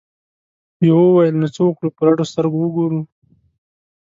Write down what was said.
یوه وویل نو څه وکړو په رډو سترګو وګورو؟